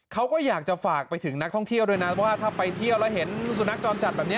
เขาก็อยากจะฝากไปถึงนักท่องเที่ยวด้วยนะว่าถ้าไปเที่ยวแล้วเห็นสุนัขจรจัดแบบนี้